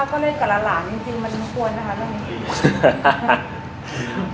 ก็เล่นกับหลานจริงมันไม่ควรนะคะเรื่องนี้